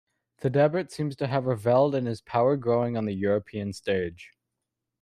Theudebert seems to have revelled in his power growing on the European stage.